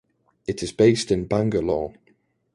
It is based in Bangalore.